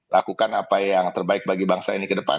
lakukan apa yang terbaik bagi bangsa ini ke depan